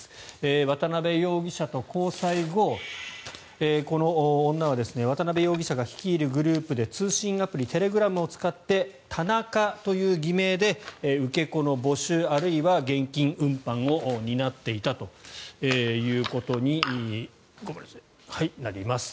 渡邉容疑者と交際後この女は渡邉容疑者が率いるグループで通信アプリテレグラムを使ってタナカという偽名で受け子の募集あるいは現金運搬を担っていたということになります。